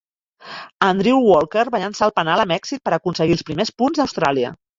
Andrew Walker va llançar el penal amb èxit per aconseguir els primers punts d"Austràlia.